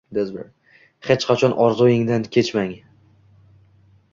Hech qachon orzuingizdan kechmang.